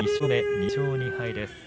２勝２敗です。